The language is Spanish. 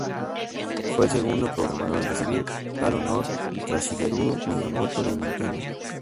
Fue el segundo programador en recibir tal honor tras Shigeru Miyamoto, de Nintendo.